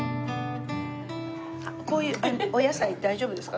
こういうお野菜大丈夫ですか？